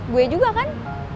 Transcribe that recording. gue juga kan